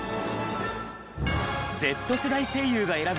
Ｚ世代声優が選ぶ！